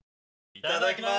いただきます。